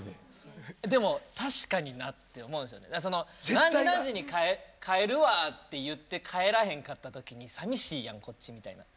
何時何時に帰るわって言って帰らへんかった時にさみしいやんこっちみたいな。